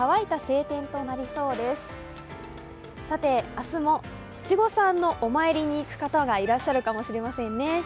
明日も七五三のお参りに行く方がいらっしゃるかもしれませんね。